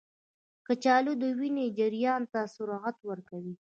کچالو د وینې جریان ته سرعت ورکوي.